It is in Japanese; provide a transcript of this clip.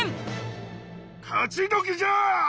勝ちどきじゃ！